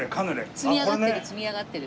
積み上がってる積み上がってる。